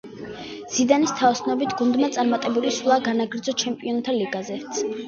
ზიდანის თაოსნობით გუნდმა წარმატებული სვლა განაგრძო ჩემპიონთა ლიგაზეც.